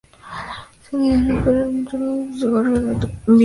El usuario deberá esperar treinta minutos antes de poder coger otra bici.